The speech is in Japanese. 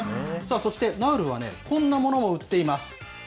そして、ナウルはこんなものも売っています。